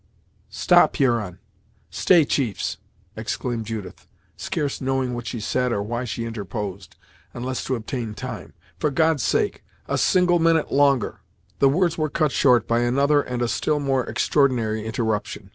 "Stop Huron stay chiefs! " exclaimed Judith, scarce knowing what she said, or why she interposed, unless to obtain time. "For God's sake, a single minute longer " The words were cut short, by another and a still more extraordinary interruption.